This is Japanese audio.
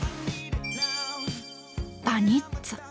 バニッツァ。